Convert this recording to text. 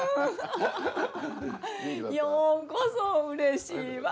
ようこそうれしいわ。